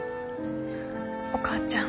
お母ちゃん。